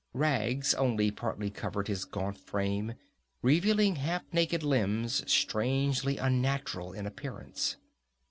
Rags only partly covered his gaunt frame, revealing half naked limbs strangely unnatural in appearance.